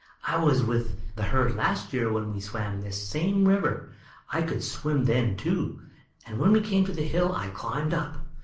I was with the herd last year when we swam this same river. I could swim then, too, and when we came to the hill I climbed up.